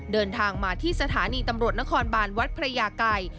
เดินทางมาที่สถานีตำรวจนครบานวัดพระยาไกร